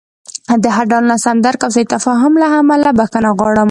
د هر ډول ناسم درک او سوء تفاهم له امله بښنه غواړم.